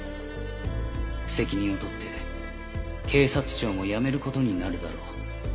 「責任を取って警察庁も辞めることになるだろう」